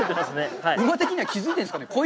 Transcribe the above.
馬的には気づいているんですかね？